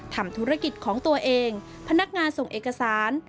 ทำธุรกิจของตัวเองพนักงานส่งเอกสาร